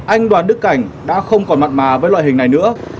anh đoàn đức cảnh đã không còn mặn mà với loại hình này nữa